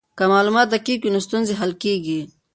که معلومات دقیق وي نو ستونزې حل کیږي.